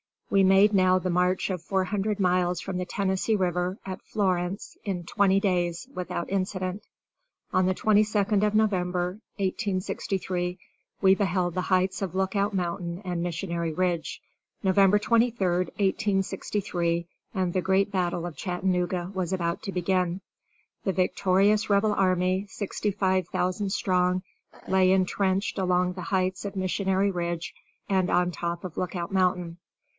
We made now the march of four hundred miles from the Tennessee River, at Florence, in twenty days, without incident. On the 22d of November, 1863, we beheld the heights of Lookout Mountain and Missionary Ridge. November 23, 1863, and the great battle of Chattanooga was about to begin. The victorious Rebel army, seventy five thousand strong, lay intrenched along the heights of Missionary Ridge and on top of Lookout Mountain.